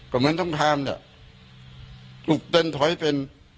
ก็เหมือนต้องทามเนี่ยลุกเต้นถอยเป็น